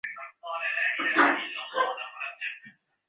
উত্তম আচার্যদের ঐ শব্দপ্রয়োগের প্রয়োজন হয় না, যেমন যীশুখ্রীষ্টের।